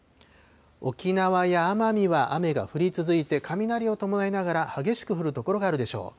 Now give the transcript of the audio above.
沖縄や奄美は雨が降り続いて、雷を伴いながら、激しく降る所があるでしょう。